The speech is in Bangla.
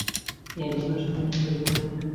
এভাবে সর্বগ্রাসী সংঘাতই দেশটির নিয়তি হয়ে ওঠে।